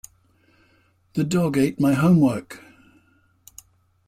The dog ate my homework.